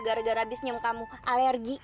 gara gara abis nyum kamu alergi